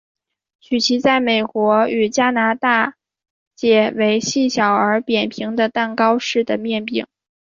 曲奇在美国与加拿大解为细小而扁平的蛋糕式的面饼。